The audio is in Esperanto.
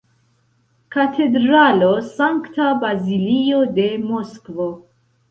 Katedralo Sankta Bazilio de Moskvo.